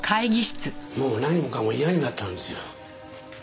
もう何もかも嫌になったんですよ。